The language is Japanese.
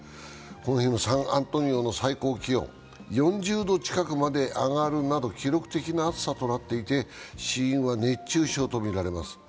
この日のサン・アントニオの最高気温、４０度近くまであがるなど記録的な暑さとなっていて、死因は熱中症とみられます。